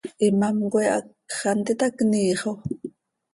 ¿Imám coi hacx hant itacniiix oo?